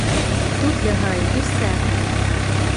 Тут лягай, і все!